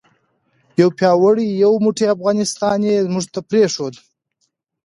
یو پیاوړی یو موټی افغانستان یې موږ ته پرېښود.